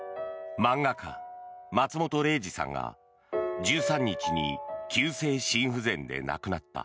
漫画家・松本零士さんが１３日に急性心不全で亡くなった。